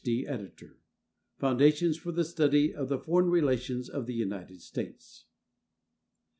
D., Editor. FOUNDATIONS FOR THE STUDY OF THE FOREIGN RELATIONS OF THE UNITED STATES.